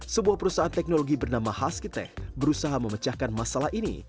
sebuah perusahaan teknologi bernama huzki tech berusaha memecahkan masalah ini